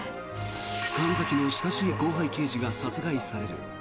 神崎の親しい後輩刑事が殺害される。